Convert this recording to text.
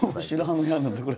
これ。